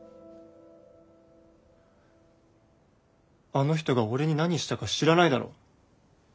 あの人が俺に何したか知らないだろ。